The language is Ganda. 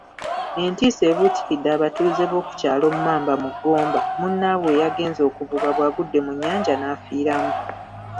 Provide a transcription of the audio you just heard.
Entiisa ebuutikidde abatuuze b'okukyalo Mmamba mu Gomba munnabwe ayagenze okuvuba bw'agudde mu nnyanja n'afiiramu.